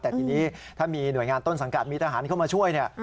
แต่ทีนี้ถ้ามีหน่วยงานต้นสังกัดมีทหารเข้ามาช่วยเนี่ย